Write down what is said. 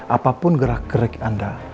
apapun gerak gerik anda